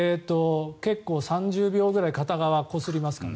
結構３０秒ぐらい片側、こすりますかね。